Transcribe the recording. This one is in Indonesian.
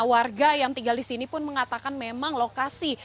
warga yang tinggal di sini pun mengatakan memang lokasi